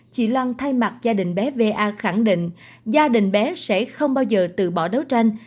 chị loan thay mặt gia đình bé va khẳng định gia đình bé sẽ không bao giờ từ bỏ đấu tranh